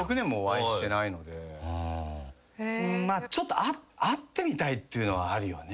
まあちょっと会ってみたいっていうのはあるよね。